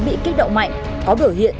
bị kích động mạnh có biểu hiện